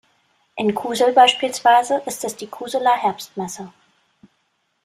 In Kusel beispielsweise ist es die Kuseler Herbstmesse.